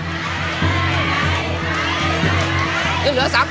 เหลือ๓ตัวใช่มั้ย